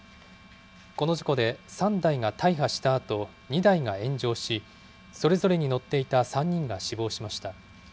この事故で、３台が大破したあと、２台が炎上し、それぞれに乗っていた３人が死亡しました。